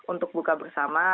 untuk buka bersama